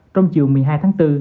trong chiều một mươi hai tháng bốn